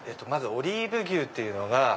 まずオリーブ牛っていうのが。